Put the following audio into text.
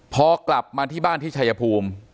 พอกลับมาที่บ้านที่ชายภูมิ